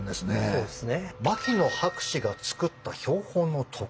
そうですね。